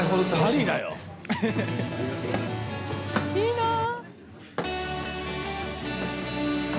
いいなぁ！